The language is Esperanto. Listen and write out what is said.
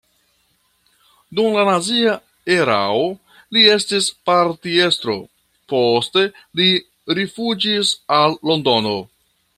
Dum la nazia erao li estis partiestro, poste li rifuĝis al Londono.